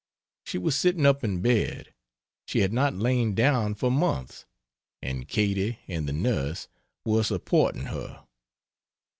She was sitting up in bed she had not lain down for months and Katie and the nurse were supporting her.